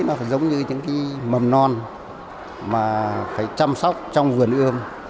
nó giống như những mầm non mà phải chăm sóc trong vườn ươm